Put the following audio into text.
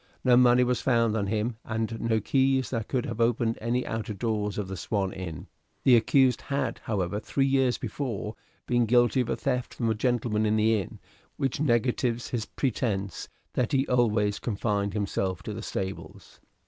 No money was found on him, and no keys that could have opened any outer doors of the 'Swan' Inn. The accused had, however, three years before been guilty of a theft from a gentleman in the inn, which negatives his pretence that he always confined himself to the stables.